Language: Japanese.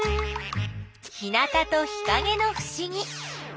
日なたと日かげのふしぎ。